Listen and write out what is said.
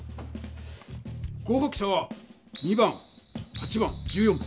合かく者は２番８番１４番。